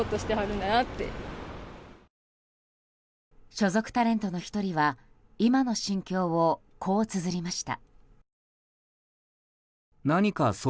所属タレントの１人は今の心境をこうつづりました。